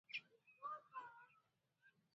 څنګه کولی شم ښه ویډیو ایډیټ کړم